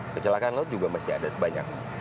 kecelakaan laut juga masih ada banyak